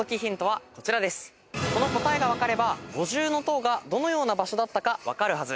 この答えが分かれば五重塔がどのような場所だったか分かるはず。